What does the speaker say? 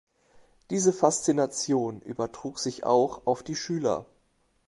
Diese Faszination übertrug sich auch auf die Schüler.